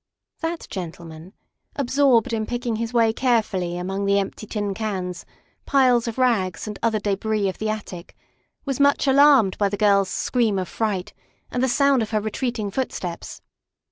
That gentleman, absorbed in picking his way care fully among the empty tin cans, piles of rags, and other debris of the attic, was much alarmed by the girl's scream of fright and the sound of her retreating foot steps.